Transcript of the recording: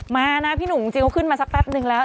มาน่ะพี่หนูจริงเขาขึ้นมาสักสักนึงแล้ว